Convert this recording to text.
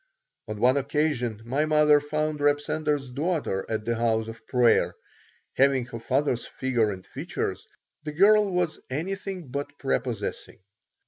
On one occasion my mother found Reb Sender's daughter at the house of prayer. Having her father's figure and features, the girl was anything but prepossessing.